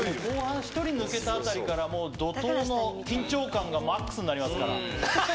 後半１人抜けたあたりから怒濤の緊張感がマックスになりますから。